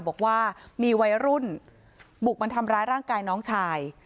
บอกว่ามีวัยรุ่นบุกมาทำร้ายร่างกายน้องชาย